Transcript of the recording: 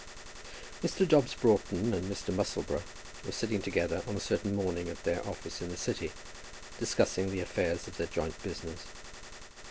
Mr. Dobbs Broughton and Mr. Musselboro were sitting together on a certain morning at their office in the City, discussing the affairs of their joint business.